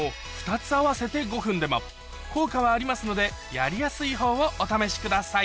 効果はありますのでやりやすい方をお試しください